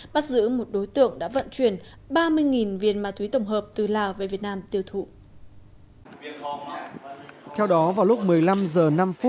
bắt giữ một đối tượng đã vận chuyển ba mươi viên ma túy tổng hợp từ lào về việt nam tiêu thụ